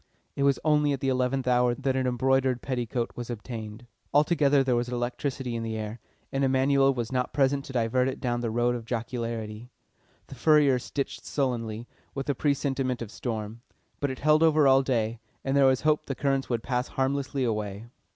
It was only at the eleventh hour that an embroidered petticoat was obtained. Altogether there was electricity in the air, and Emanuel was not present to divert it down the road of jocularity. The furriers stitched sullenly, with a presentiment of storm. But it held over all day, and there was hope the currents would pass harmlessly away.